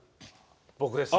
僕ですね。